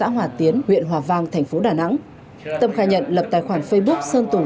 xã hòa tiến huyện hòa vang thành phố đà nẵng tâm khai nhận lập tài khoản facebook sơn tùng